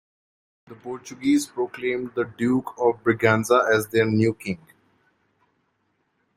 The Portuguese proclaimed the Duke of Braganza as their new king.